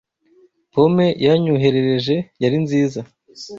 Pome yanyoherereje yari nziza.